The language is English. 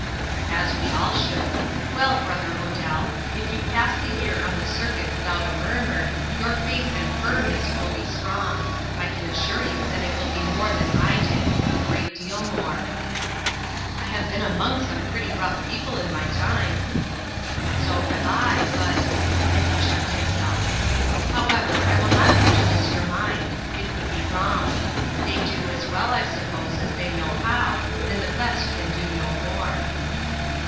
"As we all should. Well, brother Odell, if you pass the year on the circuit without a murmur, your faith and firmness will be strong. I can assure you that it will be more than I did a great deal more." "I have been among some pretty rough people in my time." "So have I; but" and he checked himself; "however, I will not prejudice your mind; it would be wrong. They do as well, I suppose, as they know how, and the best can do no more."